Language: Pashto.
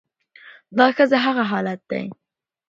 دا ښځه هغه حالت دى